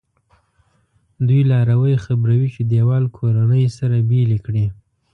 دوی لاروی خبروي چې دیوال کورنۍ سره بېلې کړي دي.